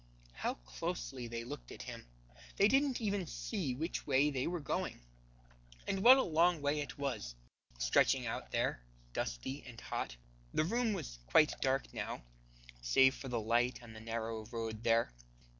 How closely they looked at him!. They didn't even see which way they were going, and what a long way it was, stretching out there, dusty and hot. The room was quite dark now save for the light on the narrow road there.